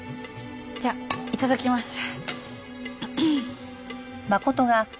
じゃあいただきます。